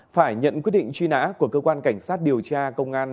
phải nhận quyết định truy nã của cơ quan cảnh sát điều tra công an